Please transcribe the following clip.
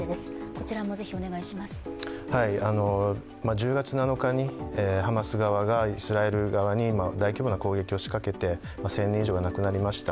１０月７日にハマス側がイスラエル側に大規模な攻撃を仕掛けて、１０００人以上が亡くなりました。